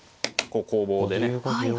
こう攻防でね。